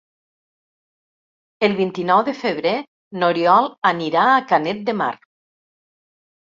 El vint-i-nou de febrer n'Oriol anirà a Canet de Mar.